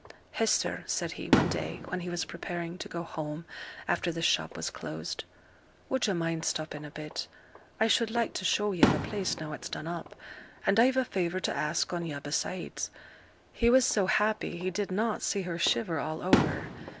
'Hester,' said he, one day when he was preparing to go home after the shop was closed; 'would yo' mind stopping a bit? I should like to show yo' the place now it's done up; and I've a favour to ask on yo' besides.' He was so happy he did not see her shiver all over.